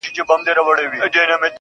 كه بې وفا سوې گراني .